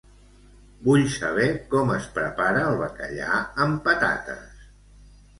Vull saber com es prepara el bacallà amb patates.